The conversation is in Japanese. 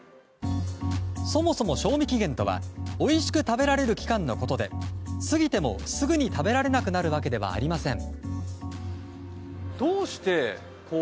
そもそも賞味期限とはおいしく食べられる期間のことで過ぎても食べられなくなるわけではありません。